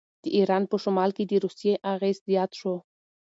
د ایران په شمال کې د روسیې اغېز زیات شو.